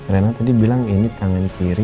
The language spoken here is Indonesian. rena tadi bilang ini tangan kiri